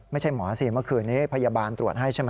ไม่ใช่หมอสิเมื่อคืนนี้พยาบาลตรวจให้ใช่ไหม